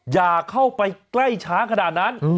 อย่าเข้าไปใกล้ช้างขนาดนั้น